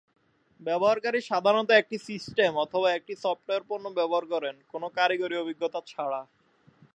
ব্যবহারকারী সাধারণত একটি সিস্টেম অথবা একটি সফটওয়্যার পণ্য ব্যবহার করেন কোন কারিগরি অভিজ্ঞতা ছাড়া।